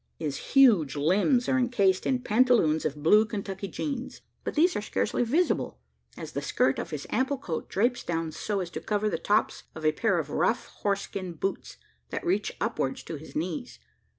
His huge limbs are encased in pantaloons of blue Kentucky "jeans;" but these are scarcely visible as the skirt of his ample coat drapes down so as to cover the tops of a pair of rough horse skin boots, that reach upwards to his knees.